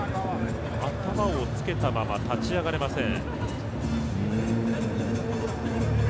頭をつけたまま立ち上がれません。